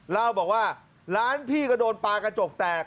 เล่าบอกว่าร้านพี่ก็โดนปลากระจกแตก